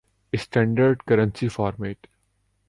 standard currency format